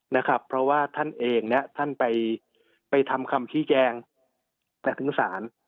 นะครับเพราะว่าท่านเองเนี่ยท่านไปไปทำคำชี้แจงไปถึงศาล